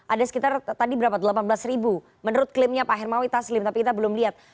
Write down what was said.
ada sekitar tadi berapa delapan belas ribu menurut klaimnya pak hermawi taslim tapi kita belum lihat